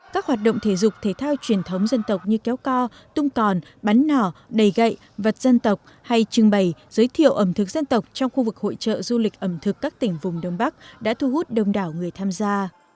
các hoạt động thể dục thể thao truyền thống dân tộc như kéo co tung còn bắn nỏ đầy gậy vật dân tộc hay trưng bày giới thiệu ẩm thực dân tộc trong khu vực hội trợ du lịch ẩm thực các tỉnh vùng đông bắc đã thu hút đông đảo người tham gia